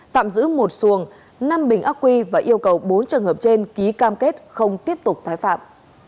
tạm giữ một xuồng năm bình ác quy và yêu cầu bốn trường hợp trên ký cam kết không tiếp tục tái phạm